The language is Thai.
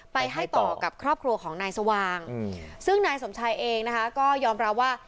ไปให้ต่อกับครอบครัวของนายสว่างซึ่งนายสมชายเองนะคะก็ยอมรับว่า